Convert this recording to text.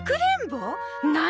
何？